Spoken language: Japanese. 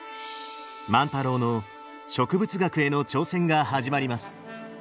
万太郎の植物学への挑戦が始まります。